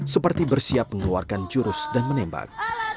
seperti bersiap mengeluarkan jurus dan menembak